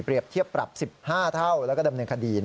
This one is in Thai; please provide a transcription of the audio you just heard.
เปรียบเทียบปรับ๑๕เท่า